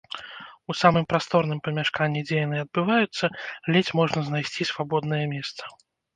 У самым прасторным памяшканні, дзе яны адбываюцца, ледзь можна знайсці свабоднае месца.